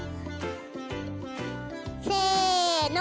せの。